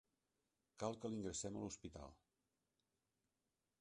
Cal que l'ingressem a l'hospital.